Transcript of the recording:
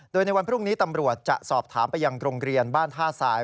โดยในวันพรุ่งนี้ตำรวจจะสอบถามไปยังโรงเรียนบ้านท่าทราย